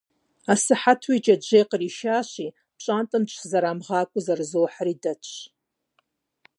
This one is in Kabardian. Асыхьэтуи джэджьей къришащи, пщӀантӀэм дыщызэрамыгъакӀуэу зэрызохьэри дэтщ.